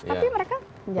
tapi mereka menjalankan